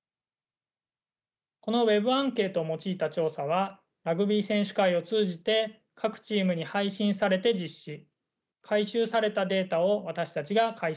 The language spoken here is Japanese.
このＷｅｂアンケートを用いた調査はラグビー選手会を通じて各チームに配信されて実施回収されたデータを私たちが解析しました。